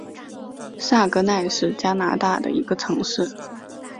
萨格奈是加拿大的一个城市。